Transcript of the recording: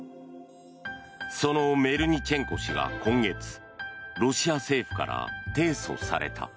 そのメルニチェンコ氏が今月ロシア政府から提訴された。